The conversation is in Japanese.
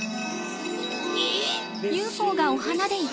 えっ⁉